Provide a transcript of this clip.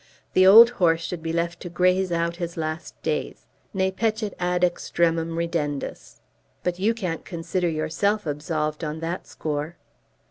The old horse should be left to graze out his last days, Ne peccet ad extremum ridendus. But you can't consider yourself absolved on that score."